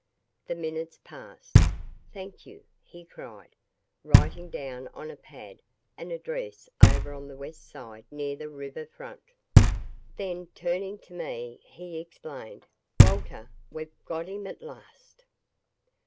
The minutes passed. "Thank you," he cried, writing down on a pad an address over on the west side near the river front. Then turning to me he explained, "Walter, we've got him at last!"